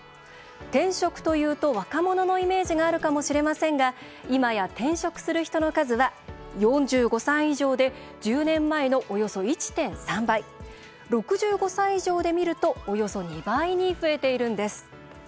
転職というと若者のイメージがあるかもしれませんがいまや転職する人の数は４５歳以上で１０年前のおよそ１．３倍６５歳以上で見るとおよそ２倍に増えているんです。